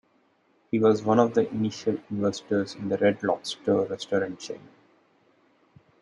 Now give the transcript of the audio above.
He was one of the initial investors in the Red Lobster restaurant chain.